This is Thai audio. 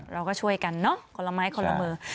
เราก็ช่วยกันเนอะคนละไม้คนละมือ